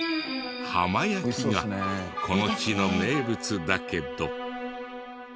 浜焼きがこの地の名物だけど。